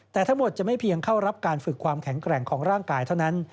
แต่ทั้งหมดจะไม่เพียงเข้ารับการฝึกความแข็งแกร่งของร่างกายเท่านั้น